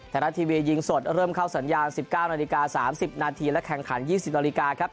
ไทยรัฐทีวียิงสดเริ่มเข้าสัญญา๑๙น๓๐นและแข่งขัน๒๐นครับ